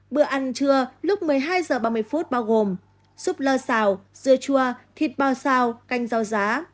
bữa ăn trưa lúc một mươi hai h ba mươi phút bao gồm súp lơ xào dưa chua thịt bao xào canh rau giá